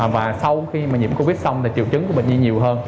và sau khi mà nhiễm covid xong thì triệu chứng của bệnh nhi nhiều hơn